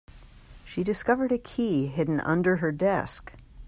She discovered a key hidden under her desk.